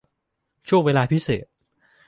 ช่วงเวลาพิเศษ